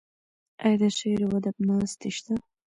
آیا د شعر او ادب ناستې شته؟